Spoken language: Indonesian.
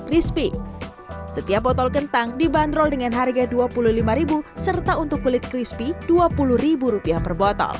crispy setiap botol kentang dibanderol dengan harga dua puluh lima serta untuk kulit crispy dua puluh rupiah per